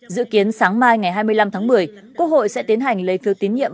dự kiến sáng mai ngày hai mươi năm tháng một mươi quốc hội sẽ tiến hành lấy phiếu tín nhiệm